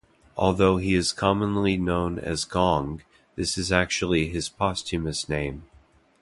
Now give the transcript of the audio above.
Although he is commonly known as Gong, this is actually his posthumous name.